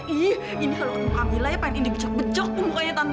ih indi kalau ketemu kamila ya pengen indi becok becok ke mukanya tante